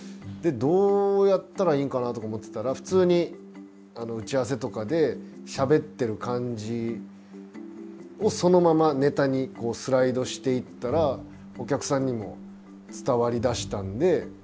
でどうやったらいいんかなとか思ってたら普通に打ち合わせとかでしゃべってる感じをそのままネタにスライドしていったらお客さんにも伝わりだしたんで。